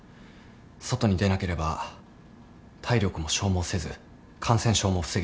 外に出なければ体力も消耗せず感染症も防げると。